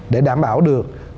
để đảm bảo được